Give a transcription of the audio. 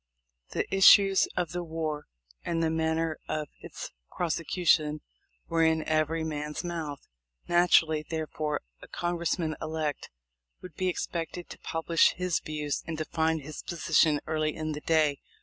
The issues of the war and the manner of its prose cution were in every man's mouth. Naturally, therefore, a Congressman elect would be expected to publish his views and define his position early in the day.